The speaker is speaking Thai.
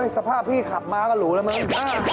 สภาพพี่ขับมาก็หรูแล้วมั้ง